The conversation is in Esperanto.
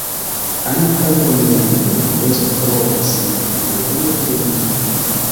Ankaŭ romianoj esploris la fluon de Nilo.